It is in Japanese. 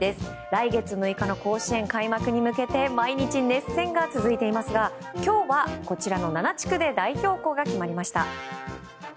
来月６日の甲子園開幕に向けて毎日熱戦が続いていますが今日はこちらの７地区で代表校が決まりました。